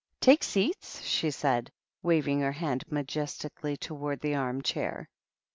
" TakQ seats," she said, waving her hand majestically towards the arm chair.